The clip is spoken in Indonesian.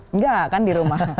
enggak kan di rumah